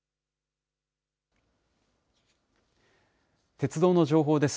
鉄道の情報です。